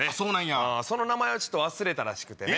その名前を忘れたらしくてね。